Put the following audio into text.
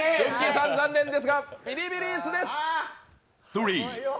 さん残念ですが、ビリビリ椅子です。